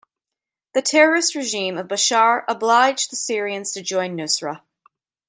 The terrorist regime of Bashar obliged the Syrians to join Nusra.